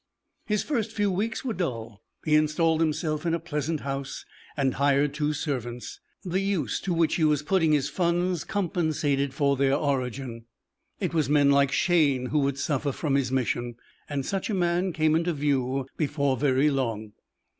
His first few weeks were dull. He installed himself in a pleasant house and hired two servants. The use to which he was putting his funds compensated for their origin. It was men like Shayne who would suffer from his mission. And such a man came into view before very long.